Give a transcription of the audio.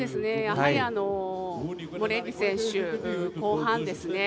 やはりモレッリ選手後半ですね